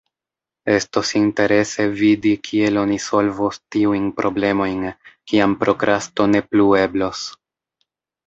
Estos interese vidi kiel oni solvos tiujn problemojn, kiam prokrasto ne plu eblos.